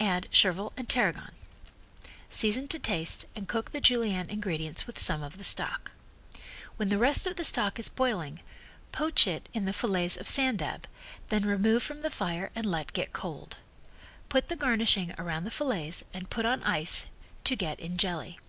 Add chervil and tarragon. Season to taste and cook the Julienne ingredients with some of the stock. When the rest of the stock is boiling poach it in the fillets of sand dab, then remove from the fire and let get cold. Put the garnishing around the fillets and put on ice to get in jelly.